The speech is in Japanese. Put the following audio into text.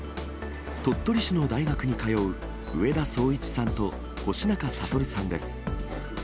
鳥取市の大学に通う上田壮一さんと星中俊哉さんです。